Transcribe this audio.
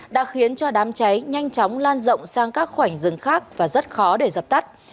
đã khiến cho đám cháy nhanh chóng lan rộng sang các khoảnh rừng khác và rất khó để dập tắt